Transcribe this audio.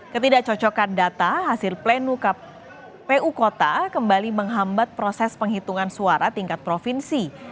ketidakcocokan data hasil pleno kpu kota kembali menghambat proses penghitungan suara tingkat provinsi